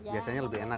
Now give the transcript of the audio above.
biasanya lebih enak